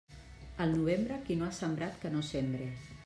Al novembre, qui no ha sembrat, que no sembre.